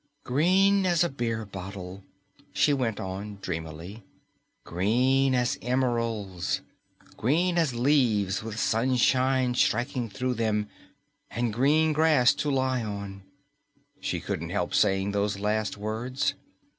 "Green as a beer bottle," she went on dreamily, "green as emeralds, green as leaves with sunshine striking through them and green grass to lie on." She couldn't help saying those last words.